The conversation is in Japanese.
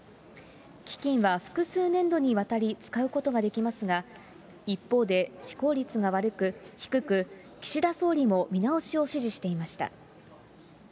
基金は複数年度にわたり使うことができますが、一方で執行率が低く、岸田総理も見直しを指示していました。